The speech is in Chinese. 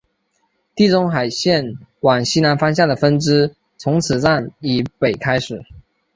地中海线往西南方向的分支从此站以北开始。